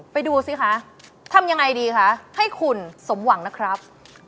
ดูสิคะทำยังไงดีคะให้คุณสมหวังนะครับ